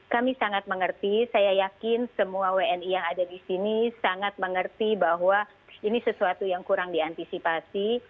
kami sangat mengerti saya yakin semua wni yang ada di sini sangat mengerti bahwa ini sesuatu yang kurang diantisipasi